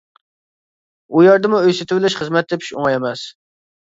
ئۇ يەردىمۇ ئۆي سېتىۋېلىش، خىزمەت تېپىش ئوڭاي ئەمەس.